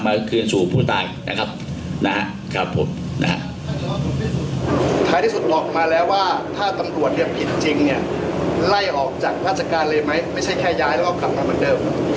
ไม่ใช่แค่ย้ายแล้วก็กลับมาเหมือนเดิม